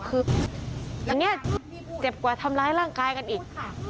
คืออย่างนี้เจ็บกว่าทำร้ายร่างกายกันอีก